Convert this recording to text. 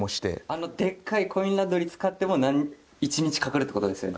あのでっかいコインランドリー使っても１日かかるって事ですよね？